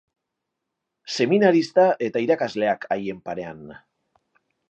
Seminarista eta irakasleak haien parean.